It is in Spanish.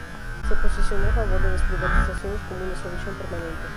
Se posicionó a favor de las privatizaciones como una solución permanente.